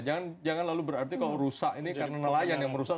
jangan lalu berarti kalau rusak ini karena nelayan yang merusak